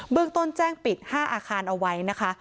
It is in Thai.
เรื่องต้นแจ้งปิด๕อาคารเอาไว้นะคะ